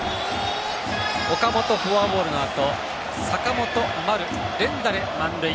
岡本フォアボールのあと坂本、丸、連打で満塁。